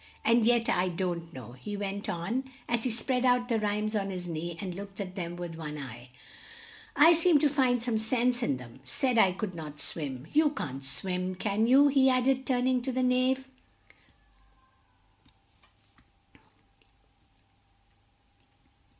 And yet I don't know," he went on, as he spread out the rhymes on his knee, and looked at them with one eye: "I seem to find some sense in them 'said I could not swim' you can't swim, can you?" he added, turn ing to the Knave.